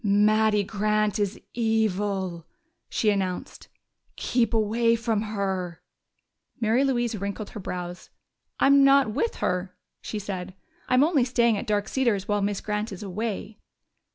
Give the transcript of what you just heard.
"Mattie Grant is evil," she announced. "Keep away from her!" Mary Louise wrinkled her brows. "I'm not with her," she said. "I'm only staying at Dark Cedars while Miss Grant is away."